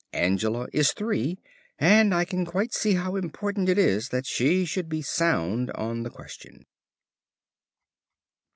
Angela is three, and I can quite see how important it is that she should be sound on the question.